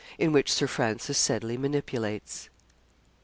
IN WHICH SIR FRANCIS SEDDLEY MANIPULATES.